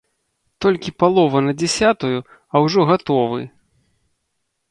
Толькі палова на дзясятую, а ўжо гатовы!